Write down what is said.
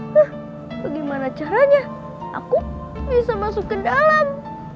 hah bagaimana caranya aku bisa masuk ke dalam